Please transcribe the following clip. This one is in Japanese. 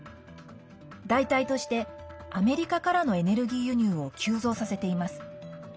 代替としてアメリカからのエネルギー輸入を急増させています。